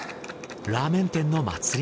ラーメン店の祭り